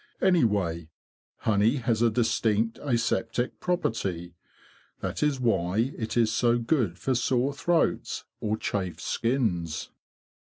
Anyway, honey has a distinct aseptic property. That is why it is so good for sore throats or chafed skins."